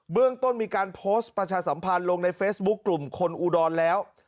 เรื่องต้นมีการโพสต์ประชาสัมพันธ์ลงในเฟซบุ๊คกลุ่มคนอุดรแล้ว